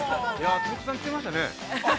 ◆つんく♂さん来てましたね。